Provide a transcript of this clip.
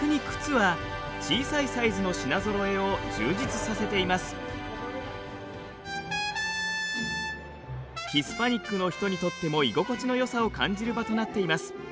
逆にヒスパニックの人にとっても居心地のよさを感じる場となっています。